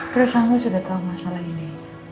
kira kira kamu sudah tahu masalah ini